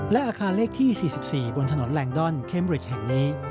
และอาคารเลขที่๔๔บนถนนแลนดอนเคมริดแห่งนี้